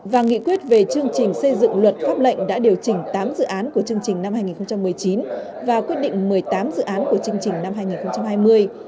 và nghị quyết về chương trình xây dựng luật pháp lệnh đã điều chỉnh tám dự án của chương trình năm hai nghìn một mươi chín và quyết định một mươi tám dự án của chương trình năm hai nghìn hai mươi